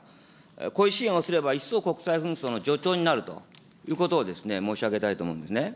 こういう支援をすれば、一層国際紛争の助長になるということを申し上げたいと思うんですね。